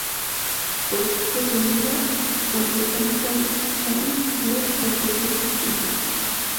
Fue precedida por Botanical Exchange Club of the British Isles.